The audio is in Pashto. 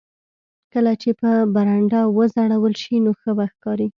کله چې په برنډه وځړول شي نو ښه به ښکاري